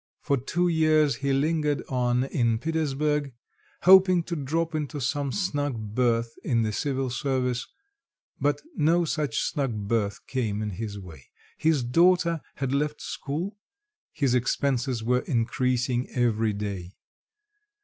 For two years he lingered on in Petersburg, hoping to drop into some snug berth in the civil service, but no such snug berth came in his way. His daughter had left school, his expenses were increasing every day.